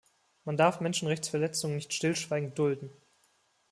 Man darf Menschenrechtsverletzungen nicht stillschweigend dulden.